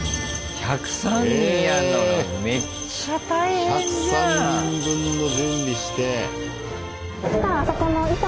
１０３人分の準備して。